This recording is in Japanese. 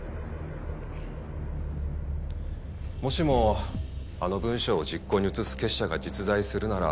もしもあの文書を実行に移す結社が実在するなら。